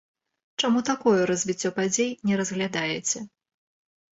Чаму такое развіццё падзей не разглядаеце?